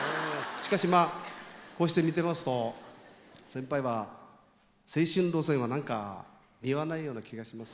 しかしまあこうして見てますと先輩は青春路線は何か似合わないような気がします。